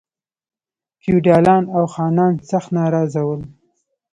فیوډالان او خانان سخت ناراض ول.